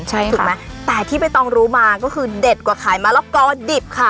ถูกไหมแต่ที่ใบตองรู้มาก็คือเด็ดกว่าขายมะละกอดิบค่ะ